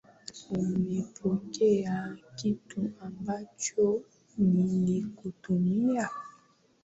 Umepokea kito ambacho nilikutumia?